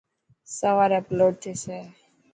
سواري اپلوڊ ٿيسي.